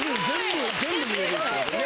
全部見れるってことやね。